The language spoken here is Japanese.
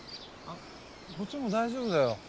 あっこっちも大丈夫だよ。